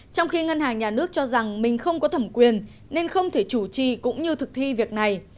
trong khi ngân hàng nhà nước cho rằng mình không có thẩm quyền nên không thể chủ trì cũng như thực thi việc này